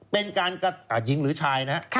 เป็นการกระทำหรือหญิงหรือชายนะครับ